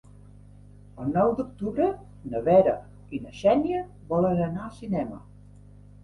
El nou d'octubre na Vera i na Xènia volen anar al cinema.